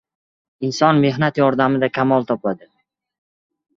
Inson mehnat yordamida kamol topadi.